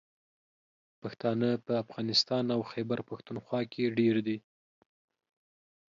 پښتانه په افغانستان او خیبر پښتونخوا کې ډېر دي.